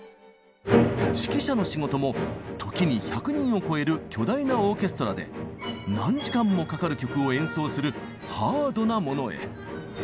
指揮者の仕事も時に１００人を超える巨大なオーケストラで何時間もかかる曲を演奏するハードなものへ。